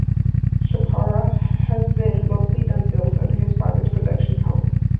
Chopra has mostly done films under his father's production house.